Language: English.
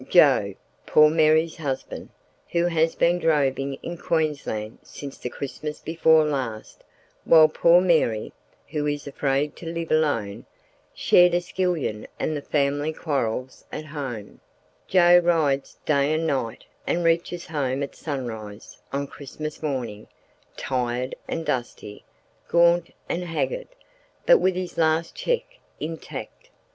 Joe, "poor" Mary's husband, who has been droving in Queensland since the Christmas before last—while poor Mary, who is afraid to live alone, shared a skillion and the family quarrels at home—Joe rides day and night and reaches home at sunrise on Christmas morning, tired and dusty, gaunt and haggard, but with his last cheque intact.